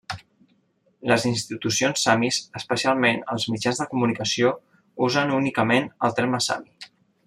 Les institucions samis, especialment els mitjans de comunicació, usen únicament el terme sami.